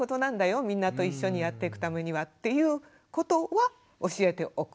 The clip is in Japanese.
みんなと一緒にやっていくためにはということは教えておく。